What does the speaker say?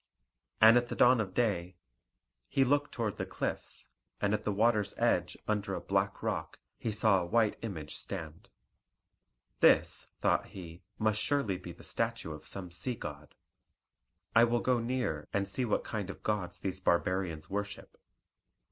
And at the dawn of day he looked toward the cliffs; and at the water's edge, under a black rock, he saw a white image stand. "This," thought he, "must surely be the statue of some sea god; I will go near and see what kind of gods these barbarians worship."